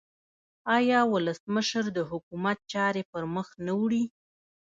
آیا ولسمشر د حکومت چارې پرمخ نه وړي؟